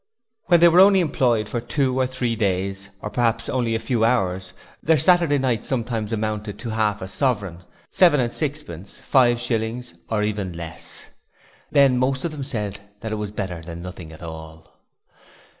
When they were only employed for two or three days or perhaps only a few hours, their 'Saturday night' sometimes amounted to half a sovereign, seven and sixpence, five shillings or even less. Then most of them said that it was better than nothing at all.